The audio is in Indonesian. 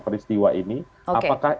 peristiwa ini apakah